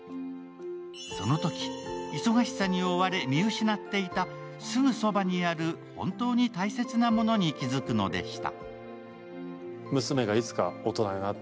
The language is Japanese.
そのとき、忙しさに追われ見失っていた、すぐそばにある本当に大切なものに気付くのでした。